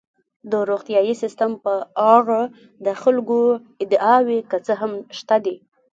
د روغتیايي سیستم په اړه د خلکو ادعاوې که څه هم شته دي.